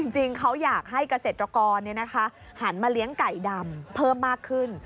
จริงเขาอยากให้เกษตรกรหันมาเลี้ยงไก่ดำเพิ่มมากขึ้น